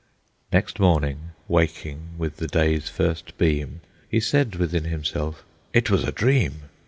Next morning, waking with the day's first beam, He said within himself, "It was a dream!"